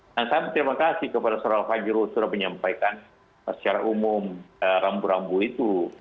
dan saya berterima kasih kepada soral fajro sudah menyampaikan secara umum rambu rambu itu